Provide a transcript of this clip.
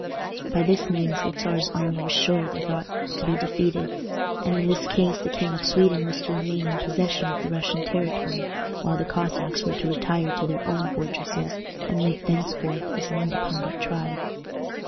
By this means the Czar's army was sure, they thought, to be defeated; and in this case the King of Sweden was to remain in possession of the Russian territory, while the Cossacks were to retire to their own fortresses, and live thenceforth as an independent tribe.